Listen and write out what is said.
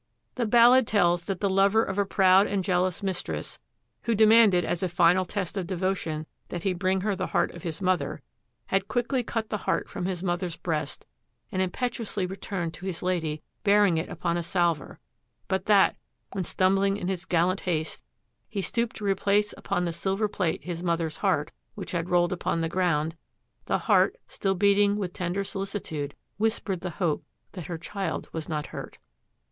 The ballad tells that the lover of a proud and jealous mistress, who demanded as a final test of devotion that he bring her the heart of his mother, had quickly cut the heart from his mother's breast and impetuously returned to his lady bearing it upon a salver; but that, when stumbling in his gallant haste, he stooped to replace upon the silver plate his mother's heart which had rolled upon the ground, the heart, still beating with tender solicitude, whispered the hope that her child was not hurt.